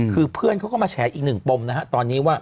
คือเพื่อนเขาก็มาแฉอีกหนึ่งปมนะฮะตอนนี้ว่า